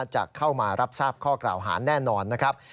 จะเข้ามารับทราบข้อกล่าวหาแน่นอนนะครับ